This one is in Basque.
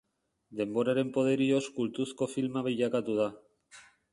Denboraren poderioz kultuzko filma bilakatu da.